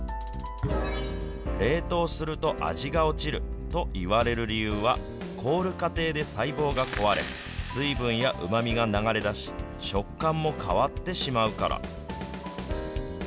冷凍すると味が落ちるといわれる理由は、凍る過程で細胞が壊れ、水分やうまみが流れ出し、食感も変わってしまうから。